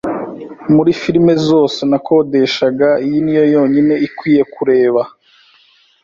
Muri firime zose nakodeshaga, iyi niyo yonyine ikwiye kureba.